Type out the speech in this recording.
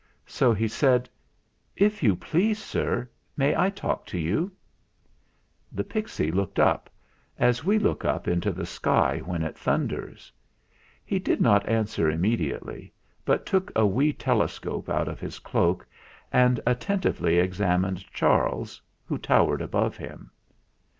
So he said, "If you please, sir, may I talk to you?" The pixy looked up, as we look up into the 94 THE FLINT HEART sky when it thunders. He did not answer im mediately, but took a wee telescope out of his cloak and attentively examined Charles, who towered above him.